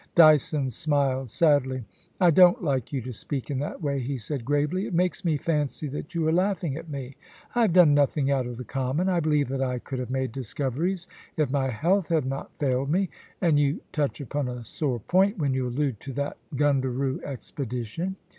Dyson smiled sadly. * I don't like you to speak in that way/ he said gravely. * It makes me fancy that you are laughing at me. I have done nothing out of the common. I believe that I could have made discoveries if my health had not failed me ; and you touch upon a sore point when you allude to that Gun daroo expedition.